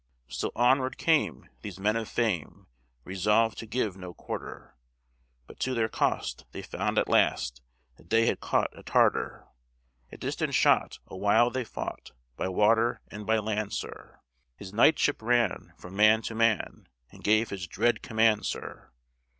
Still onward came these men of fame, Resolved to give "no quarter:" But to their cost they found at last That they had caught a Tartar. At distant shot awhile they fought, By water and by land, sir: His knightship ran from man to man, And gave his dread command, sir.